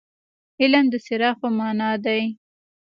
علم د څراغ په معنا دي.